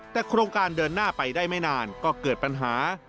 แต่โครงการเดินหน้าไปได้ไม่นานก็เกิดปัญหา